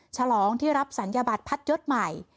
ฉลองที่รับศัลยบัตรพัดยศใหม่